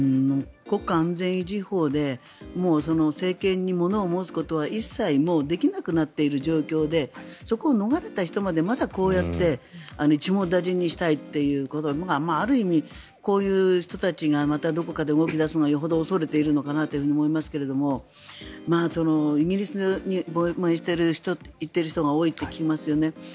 国家安全維持法で政権にものを申すことは一切もうできなくなっている状況でそこを逃れた人までまだこうやって一網打尽にしたいというある意味、こういう人たちがまたどこかで動き出すのをよほど恐れているのかなと思いますがイギリスに亡命している人が多いと聞きますよね。